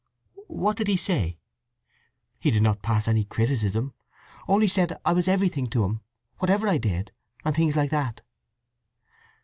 "What did he say?" "He did not pass any criticism—only said I was everything to him, whatever I did; and things like that."